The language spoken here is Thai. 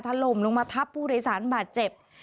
ถล่มลงมาทับผู้โดยสารบาดเจ็บ